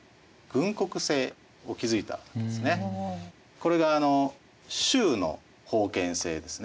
これが周の封建制ですね。